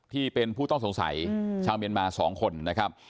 ที่เป็นผู้ต้องสงสัยชาวเมียนมา๒คนนะครับ